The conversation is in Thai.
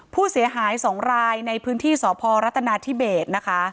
ผู้เสียหาย๒รายในพื้นที่สพรัฐนาธิเบสนะคะ